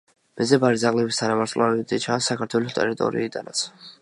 მეძებარი ძაღლების თანავარსკვლავედი ჩანს საქართველოს ტერიტორიიდანაც.